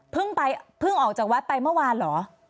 เพิ่งไปเพิ่งออกจากวัดไปเมื่อวานเหรอ